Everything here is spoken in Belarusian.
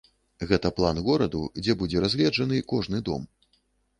Гэта план гораду, дзе будзе разгледжаны кожны дом.